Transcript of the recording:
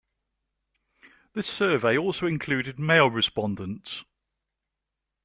This survey also included male respondents.